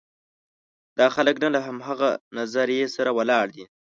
دا خلک نه له همغه نظریې سره ولاړ دي.